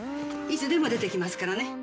いつでも出ていきますからね。